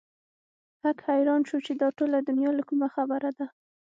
هک حيران شو چې دا ټوله دنيا له کومه خبره ده.